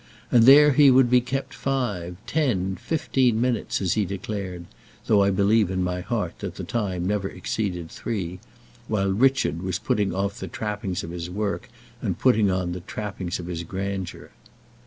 And there he would be kept five, ten, fifteen minutes, as he declared though I believe in my heart that the time never exceeded three, while Richard was putting off the trappings of his work and putting on the trappings of his grandeur.